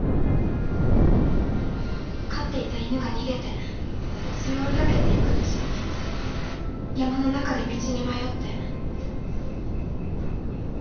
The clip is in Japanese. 飼っていた犬が逃げてそれを追いかけていくうち山の中で道に迷って。